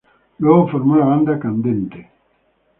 Luego formó la banda Candente.